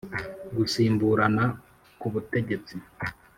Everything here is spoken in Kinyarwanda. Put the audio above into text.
Gusimburana k'ubutegetsi.